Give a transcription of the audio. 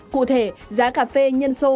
cụ thể giá cà phê nhân sô